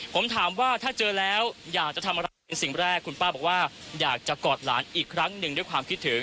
ผมถามว่าถ้าเจอแล้วอยากจะทำอะไรเป็นสิ่งแรกคุณป้าบอกว่าอยากจะกอดหลานอีกครั้งหนึ่งด้วยความคิดถึง